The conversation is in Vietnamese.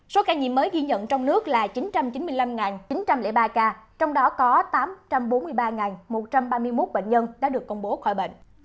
số ca nhiễm mới ghi nhận trong nước là chín trăm chín mươi năm chín trăm linh ba ca trong đó có tám trăm bốn mươi ba một trăm ba mươi một bệnh nhân đã được công bố khỏi bệnh